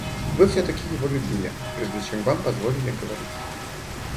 Вы всё-таки его любили, прежде чем вам позволили говорить?